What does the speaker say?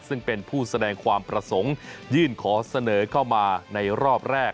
ซึ่งเป็นผู้แสดงความประสงค์ยื่นขอเสนอเข้ามาในรอบแรก